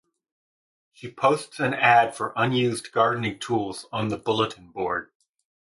She posts an ad for unused gardening tools on the bulletin board.